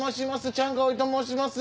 チャンカワイと申します。